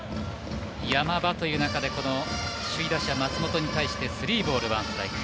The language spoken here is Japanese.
山場という中で首位打者松本に対してスリーボールワンストライク。